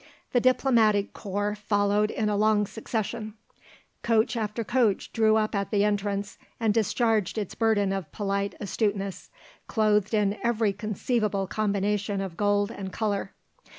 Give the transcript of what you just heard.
The Diplomatic Corps followed in a long succession. Coach after coach drew up at the entrance and discharged its burden of polite astuteness, clothed in every conceivable combination of gold and colour.